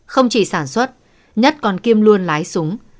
không chỉ sản xuất nhất còn kiêm luôn lái súng